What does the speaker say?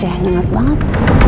ya nyengat banget